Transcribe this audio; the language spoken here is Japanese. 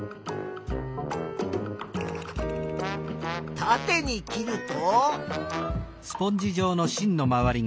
たてに切ると。